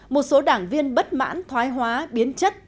một số đảng viên bất mãn thoái hóa biến chất